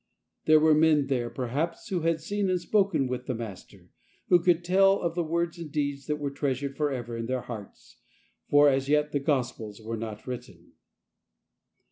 There were men there, per haps, who had seen and spoken with the Master, who could teU of the words and deeds ' that were treasured for ever in their hearts, tfor as yet the Gospels were not written.